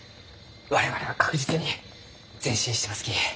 我々は確実に前進してますき。